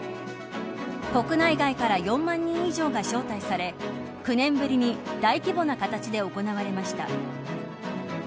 国内外から４万人以上が招待され９年ぶりに大規模な形で行われました。